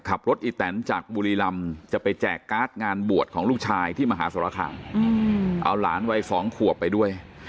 อีแตนจากบุรีรำจะไปแจกการ์ดงานบวชของลูกชายที่มหาสรคามเอาหลานวัย๒ขวบไปด้วย